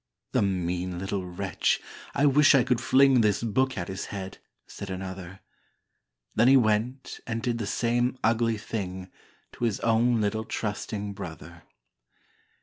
"The mean little wretch, I wish I could fling This book at his head!" said another; Then he went and did the same ugly thing To his own little trusting brother!